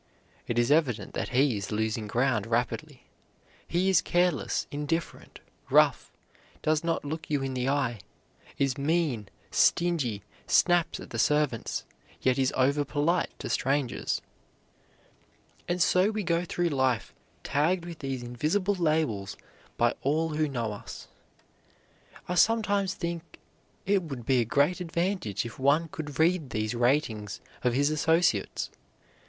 It is evident that he is losing ground rapidly. He is careless, indifferent, rough, does not look you in the eye, is mean, stingy, snaps at the servants, yet is over polite to strangers. And so we go through life, tagged with these invisible labels by all who know us. I sometimes think it would be a great advantage if one could read these ratings of his associates.